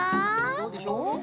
どうでしょう？